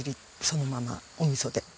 そのままお味噌で。